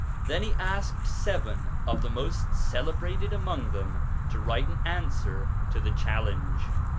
Then he asked seven of the most celebrated among them to write an answer to the challenge.